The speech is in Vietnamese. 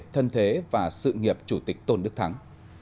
thân thế và sự nghiệp chủ tịch tôn đức thắng